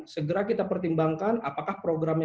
segera kita pertimbangkan apakah programnya